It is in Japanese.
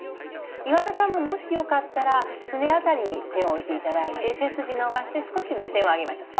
岩田さんももしよかったらすね辺りに手を置いていただいて背筋伸ばして少し目線を上げましょう。